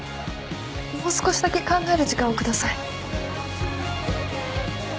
もう少しだけ考える時間を下さい。